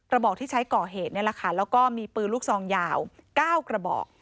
ระบอกที่ใช้ก่อเหตุแล้วก็มีปืนลูกซองยาว๙กระบอก